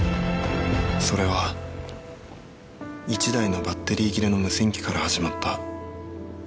それは１台のバッテリー切れの無線機から始まった。